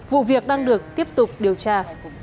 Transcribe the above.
vụ việc đang được tiếp tục điều tra